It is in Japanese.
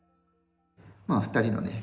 まあ２人のね